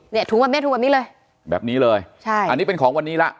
ถุงแบบนี้ถุงแบบนี้เลยแบบนี้เลยใช่อันนี้เป็นของวันนี้ละ